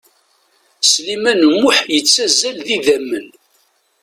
Sliman U Muḥ yettazzal d idamen.